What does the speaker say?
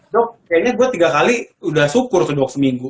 dok kayaknya gue tiga kali udah syukur tuh dua seminggu